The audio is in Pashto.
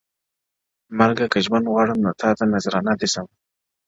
مرگه که ژوند غواړم نو تاته نذرانه دي سمه;